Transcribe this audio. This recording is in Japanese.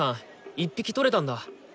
１匹取れたんだ？